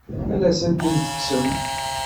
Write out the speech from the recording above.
Ad as-tent-tekksem?